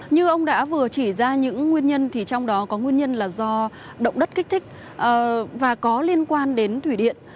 như ông đã vừa chỉ ra những nguyên nhân trong đó có nguyên nhân là do động đất kích thích và có liên quan đến thủy điện